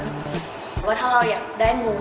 เพราะว่าถ้าเราอยากได้งู